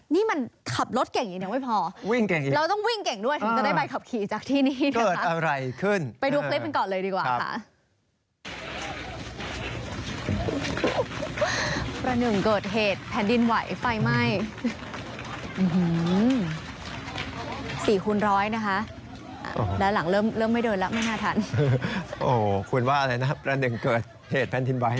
นี่มันขับรถเก่งอีกยังไม่พอ